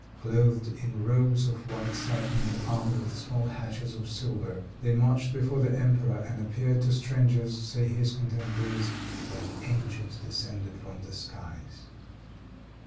Clothed in robes of white satin and armed with small hatchets of silver, they marched before the emperor, and appeared to strangers, say his cotemporaries, "like angels descended from the skies."